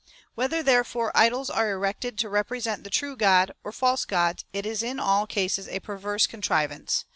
Whether, therefore, idols are erected to represent the true God, or false gods, it is in all cases a perverse contrivance.